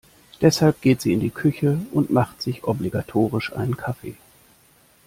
Deshalb geht sie in die Küche und macht sich obligatorisch einen Kaffee.